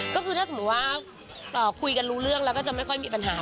ก็คือถ้าสมมุติว่าคุยกันรู้เรื่องแล้วก็จะไม่ค่อยมีปัญหา